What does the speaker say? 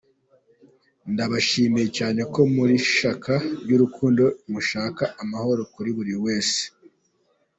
Ndabashimiye cyane ko murishyaka ryurukundo mushaka amahoro kuriburi wese